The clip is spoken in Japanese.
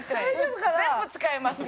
全部使えますよ。